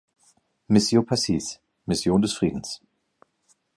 Missio pacis, Mission des Friedens.